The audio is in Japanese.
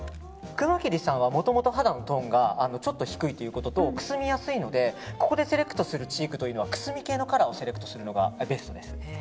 熊切さんはもともと肌のトーンがちょっと低いのとくすみやすいのでここでセレクトするチークはくすみ系のカラーをセレクトするのがベストです。